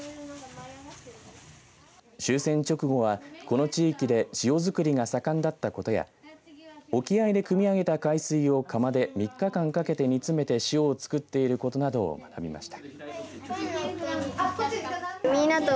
終戦直後は、この地域で塩づくりが盛んだったことや沖合でくみ上げた海水を窯で３日間かけて煮詰めて塩を作っていることなども学びました。